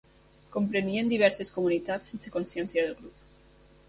Comprenien diverses comunitats sense consciència de grup.